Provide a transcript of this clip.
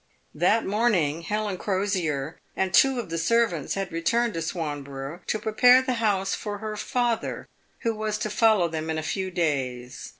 .. That morning Helen Crosier and two of the servants had returned to Swanborough to prepare the house for her father, who was to follow them in a few days.